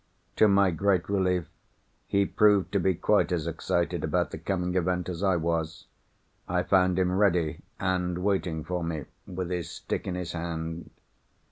To my great relief he proved to be quite as excited about the coming event as I was. I found him ready, and waiting for me, with his stick in his hand.